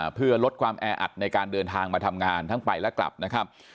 เพื่อลดความแออัดในการเดินทางมาทำงานทั้งไปและกลับนะครับ